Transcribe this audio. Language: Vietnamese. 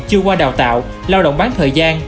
chưa qua đào tạo lao động bán thời gian